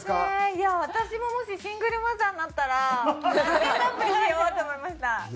いや私ももしシングルマザーになったらマッチングアプリしようって思いました。